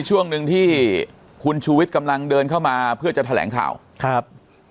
ช่วงหนึ่งที่คุณชูวิทย์กำลังเดินเข้ามาเพื่อจะแถลงข่าวครับ